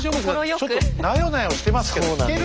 ちょっとなよなよしてますけど引ける？